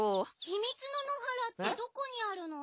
ひみつの野原ってどこにあるの？